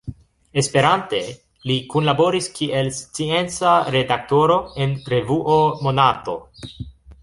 Esperante, li kunlaboris kiel scienca redaktoro en revuo Monato.